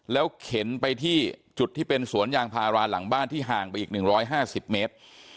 แล้วเข็นไปที่จุดที่เป็นสวนยางพาราหลังบ้านที่ห่างไปอีก๑๕๐เมตร